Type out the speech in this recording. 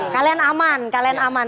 kalian aman kalian aman